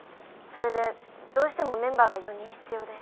それでどうしてもメンバーが４人必要で。